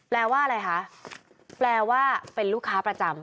แปลว่าอะไรคะแปลว่าเป็นลูกค้าประจำ